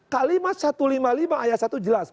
kalimat satu ratus lima puluh lima ayat satu jelas